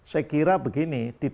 saya kira begini di